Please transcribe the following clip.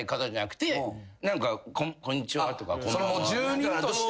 住人として。